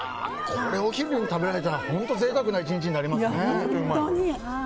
これ、お昼に食べられたら本当に贅沢な１日になりますね。